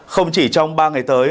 không chỉ trong ba ngày tới